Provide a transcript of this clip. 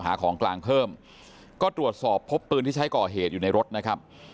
หาของกลางเพิ่มก็ตรวจสอบพบปืนที่ใช้ก่อเหตุอยู่ในรถนะครับ